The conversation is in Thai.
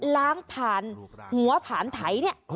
ล้างผังว้าผ่านไถ